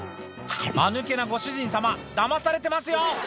マヌケなご主人様ダマされてますよ